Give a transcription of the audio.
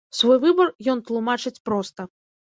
Свой выбар ён тлумачыць проста.